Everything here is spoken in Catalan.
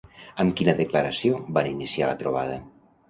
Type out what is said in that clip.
Amb quina declaració van iniciar la trobada?